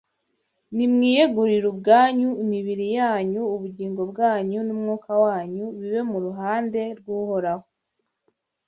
Nimwiyegurire ubwanyu, imibiri yanyu, ubugingo bwanyu, n’umwuka wanyu, bibe mu ruhande rw’Uhoraho